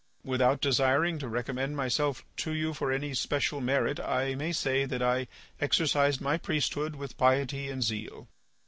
Without desiring to recommend myself to you for any special merit, I may say that I exercised my priesthood with piety and zeal.